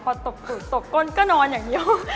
พอตกผืดตกก้นก็นอนอย่างเดียว